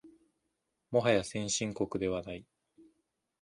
もはや先進国ではない